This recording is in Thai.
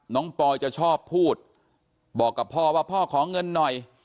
ปอยจะชอบพูดบอกกับพ่อว่าพ่อขอเงินหน่อย